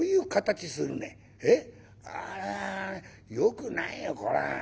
あれはよくないよこれは。